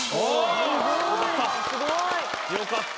良かった。